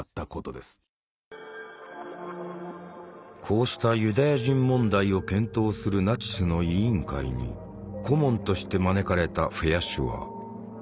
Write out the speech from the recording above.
こうしたユダヤ人問題を検討するナチスの委員会に顧問として招かれたフェアシュアー。